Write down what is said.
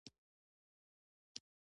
پر نویو سوداګرو درنه مالیه وضعه کړه.